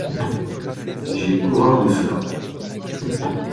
J’ai horreur de cela.